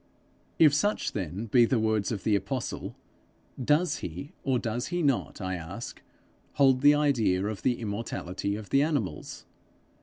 If such then be the words of the apostle, does he, or does he not, I ask, hold the idea of the immortality of the animals?